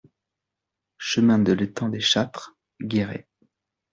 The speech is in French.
Chemin de L'Etang des Châtres, Guéret